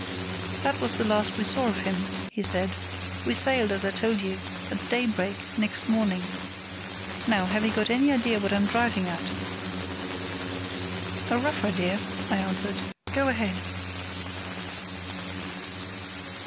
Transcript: "That was the last I saw of him," he said. "We sailed, as I told you, at daybreak next morning. Now, have you got any idea what I'm driving at?" "A rough idea," I answered. "Go ahead."